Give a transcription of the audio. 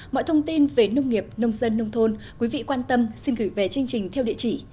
mọi thông tin về nông nghiệp nông dân nông thôn quý vị quan tâm xin gửi về chương trình theo địa chỉ